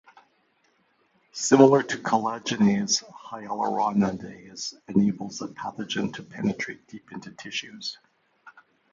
Similar to collagenase, hyaluronidase enables a pathogen to penetrate deep into tissues.